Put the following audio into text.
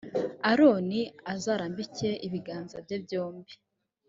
aroni azarambike ibiganza bye byombi